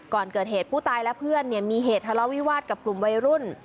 ก่อนเกิดเหตุผู้ตายและเพื่อนมีเหตุทะเลาวิวาสกับกลุ่มวัยรุ่น